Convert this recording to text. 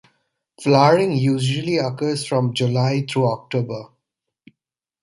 Flowering usually occurs from July through October.